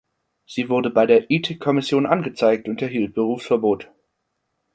Sie wurde bei der Ethikkommission angezeigt und erhielt Berufsverbot.